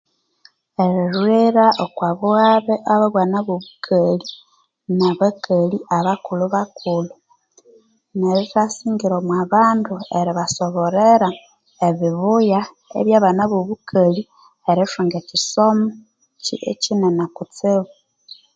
Erilhwira okwa bughabe obwa bana bobukali nabakali aba kulhubakulhu nerithasyingira omwa bandu eribasoborera ebibuya ebya bana bobukali erithunga ekyisomo kyinene kutsibu.